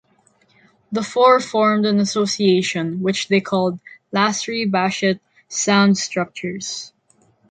The four formed an association which they called Lasry-Baschet Sound Structures.